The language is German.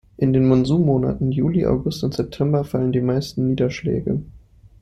In den Monsunmonaten Juli, August und September fallen die meisten Niederschläge.